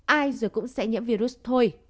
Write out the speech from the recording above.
ai rồi cũng sẽ nhiễm virus thôi